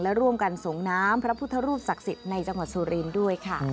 และร่วมกันส่งน้ำพระพุทธรูปศักดิ์สิทธิ์ในจังหวัดสุรินทร์ด้วยค่ะ